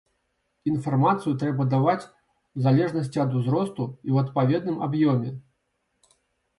Інфармацыю трэба даваць у залежнасці ад узросту і ў адпаведным аб'ёме.